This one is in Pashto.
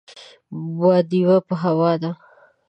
باديوه په هوا ده.